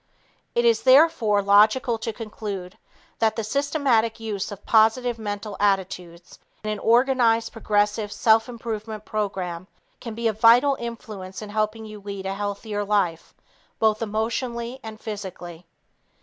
It is, therefore, logical to conclude that the systematic use of positive mental attitudes in an organized, progressive, self improvement program can be a vital influence in helping you lead a healthier life, both emotionally and physically.